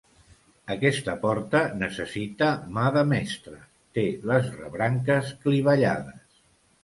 Aquesta porta necessita mà de mestre, té les rebranques clivellades.